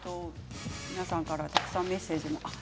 皆さんからたくさんメッセージも。